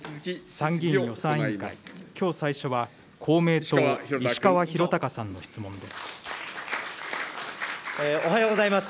参議院予算委員会、きょう最初は公明党、石川博崇さんの質問おはようございます。